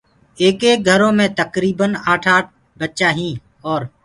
ايڪيڪ گھرو مي تڪريٚبن آٺ آٺ ٻچآ هين اور